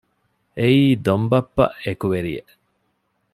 އެއީ ދޮންބައްޕަ އެކުވެރިއެއް